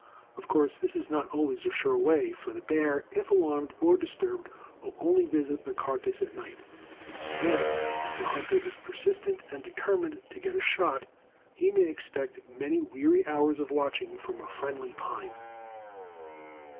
Of course, this is not always a sure way, for the bear, if alarmed or disturbed, will only visit the carcass at night, and then, if the hunter is persistent and determined to get a shot, he may expect many weary hours of watching from a friendly pine.